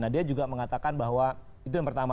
nah dia juga mengatakan bahwa itu yang pertama